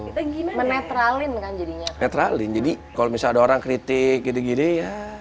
kita menetralin kan jadinya netralin jadi kalau misalnya ada orang kritik gitu gitu ya